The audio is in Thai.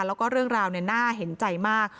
แล้วก็เรื่องราวน่าเห็นใจมาก